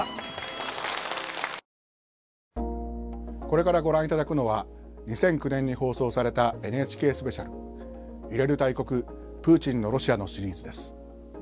これからご覧いただくのは２００９年に放送されたＮＨＫスペシャル「揺れる大国プーチンのロシア」のシリーズです。